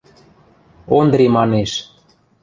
– Ондри манеш.